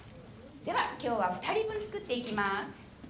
では今日は２人分作っていきます。